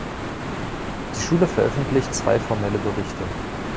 Die Schule veröffentlicht zwei formelle Berichte.